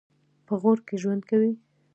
په غور کې ژوند کوي.